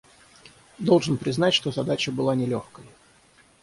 Должен признать, что задача была нелегкой.